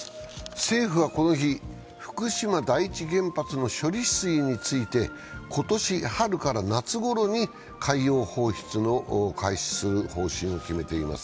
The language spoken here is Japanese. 政府はこの日、福島第一原発の処理水について今年春から夏ごろに海洋放出を開始する方針を決めています。